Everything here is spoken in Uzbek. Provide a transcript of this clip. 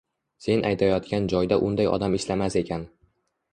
Sen aytayotgan joyda unday odam ishlamas ekan.